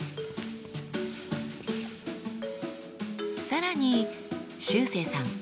更にしゅうせいさん